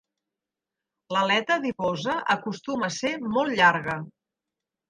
L'aleta adiposa acostuma a ser molt llarga.